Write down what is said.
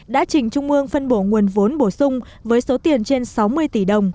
đã chỉnh trung mương phân bổ nguồn vốn bổ sung với số tiền trên sáu mươi tỷ đồng